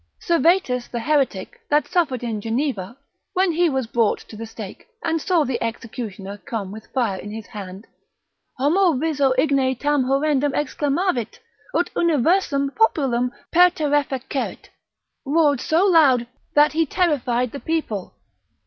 Servetus the heretic, that suffered in Geneva, when he was brought to the stake, and saw the executioner come with fire in his hand, homo viso igne tam horrendum exclamavit, ut universum populum perterrefecerit, roared so loud, that he terrified the people.